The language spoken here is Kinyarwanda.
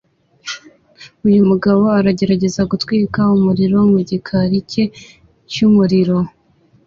Uyu mugabo aragerageza gutwika umuriro mu gikari cye cy’umuriro